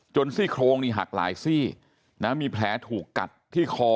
ซี่โครงนี่หักหลายซี่นะมีแผลถูกกัดที่คอ